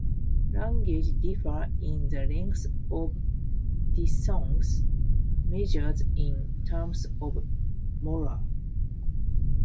Languages differ in the length of diphthongs, measured in terms of morae.